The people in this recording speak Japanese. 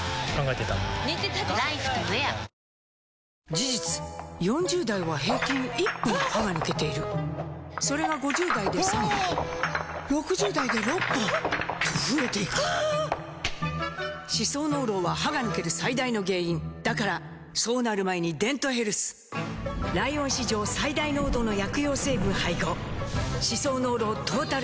事実４０代は平均１本歯が抜けているそれが５０代で３本６０代で６本と増えていく歯槽膿漏は歯が抜ける最大の原因だからそうなる前に「デントヘルス」ライオン史上最大濃度の薬用成分配合歯槽膿漏トータルケア！